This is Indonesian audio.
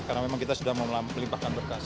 karena memang kita sudah memelimpahkan berkas